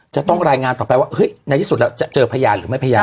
จะต้องรายงานต่อไปว่าเฮ้ยในที่สุดแล้วจะเจอพยานหรือไม่พยาน